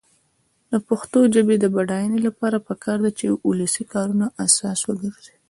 د پښتو ژبې د بډاینې لپاره پکار ده چې ولسي کارونه اساس وګرځي.